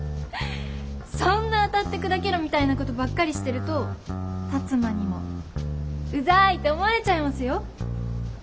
そんな当たって砕けろみたいなことばっかりしてると辰馬にもウザいって思われちゃいますよ。